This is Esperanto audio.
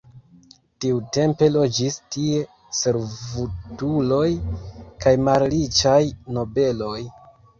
Tiutempe loĝis tie servutuloj kaj malriĉaj nobeloj.